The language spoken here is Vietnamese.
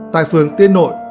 tại phường tiên nội